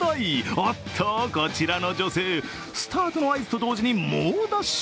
おっと、こちらの女性、スタートの合図と同時に猛ダッシュ！